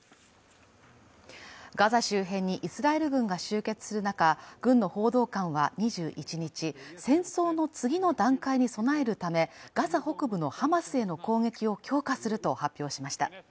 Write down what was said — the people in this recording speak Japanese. ガザ周辺にイスラエル軍が集結する中、軍の報道官は２１日、戦争の次の段階に備えるためガザ北部のハマスへの攻撃を強化すると発表しました。